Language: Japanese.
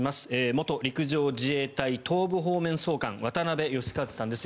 元陸上自衛隊、東部方面総監渡部悦和さんです。